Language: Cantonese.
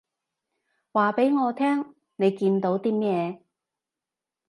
話畀我聽你見到啲咩